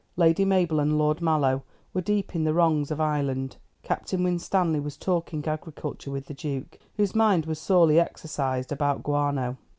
Lady Mabel and Lord Mallow were deep in the wrongs of Ireland. Captain Winstanley was talking agriculture with the Duke, whose mind was sorely exercised about guano.